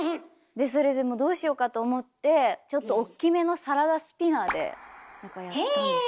でそれでもうどうしようかと思ってちょっとおっきめのサラダスピナーで何かやったんですよ。